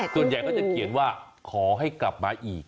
ส่วนใหญ่เขาจะเขียนว่าขอให้กลับมาอีก